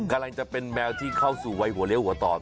กำลังจะเป็นแมวที่เข้าสู่วัยหัวเลี้ยหัวต่อ